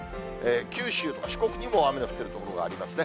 九州や四国にも雨が降っている所がありますね。